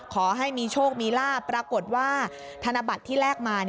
ขอให้มีโชคมีลาบปรากฏว่าธนบัตรที่แลกมา